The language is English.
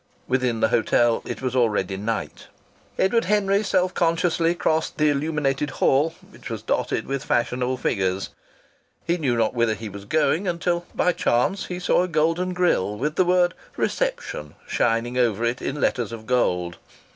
Within the hotel it was already night. Edward Henry self consciously crossed the illuminated hall, which was dotted with fashionable figures. He knew not whither he was going, until by chance he saw a golden grille with the word "Reception" shining over it in letters of gold.